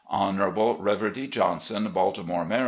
"Hon. Reverdy Johnson, " Baltimore, Md.